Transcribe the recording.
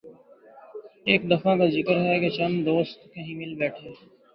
ایک دفعہ کا ذکر ہے کہ چند دوست کہیں مل بیٹھے